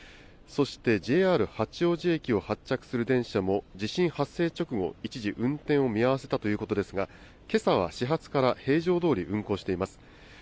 そしてＪＲ八王子駅を発着する電車も地震発生直後、一時運転を見合わせたということですがけさは始発から平常どおり運行しています。